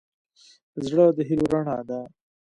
زړه د هيلو رڼا ده.